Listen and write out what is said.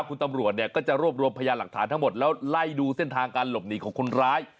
คุณตำรวจเนี่ยก็จะรวบรวมพยาหลักฐานทั้งหมดแล้วไล่ดูเส้นทางการหลบหนีของคนร้าย